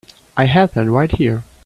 I had that right here.